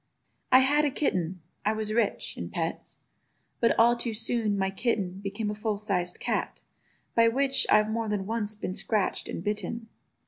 I had a kitten—I was rich In pets—but all too soon my kitten Became a full sized cat, by which I've more than once been scratch'd and bitten.